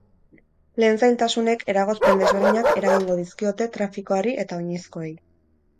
Lanen zailtasunek eragozpen desberdinak eragingo dizkiote trafikoari eta oinezkoei.